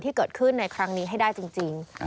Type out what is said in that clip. ที่เกิดขึ้นในครั้งนี้ให้ได้จริง